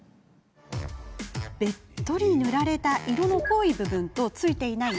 べっとり塗られた色の濃い部分とついてない